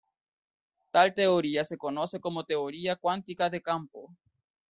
Tal teoría se conoce como teoría cuántica de campo.